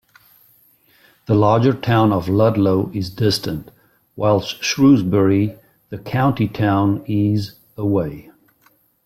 The larger town of Ludlow is distant, whilst Shrewsbury, the county town, is away.